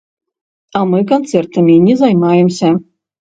А мы канцэртамі не займаемся.